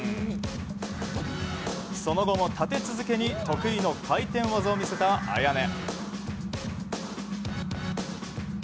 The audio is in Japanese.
その後も立て続けに得意の回転技を見せたＡＹＡＮＥ。